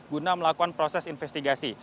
guna melakukan proses investigasi